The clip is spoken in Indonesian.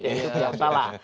ya itu gak salah